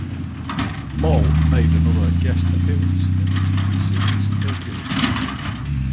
Moll made another guest appearance in the TV series Hercules.